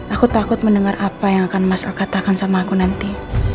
aku takut mendengar apa yang akan mas al katakan sama aku nanti